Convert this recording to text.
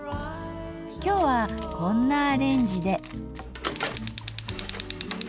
今日はこんなアレンジで。